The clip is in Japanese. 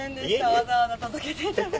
わざわざ届けて頂いて。